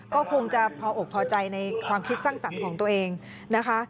ก็คงจะพออกพอใจในความคิดสร้างสรรค์ของตัวเองนะคะ